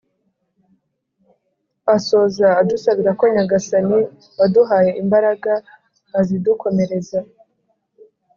asoza adusabira ko nyagasani waduhaye imbaraga azidukomereza.